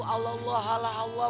allah allah allah allah